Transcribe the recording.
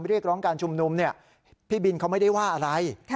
เรียกร้องการชุมนุมเนี่ยพี่บินเขาไม่ได้ว่าอะไร